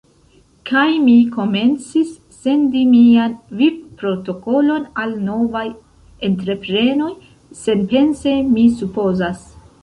Kaj mi komencis sendi mian vivprotokolon al novaj entreprenoj, senpense, mi supozas.